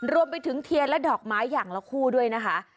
รวมไปถึงเทียนและดอกไม้อย่างละคู่ด้วยนะคะ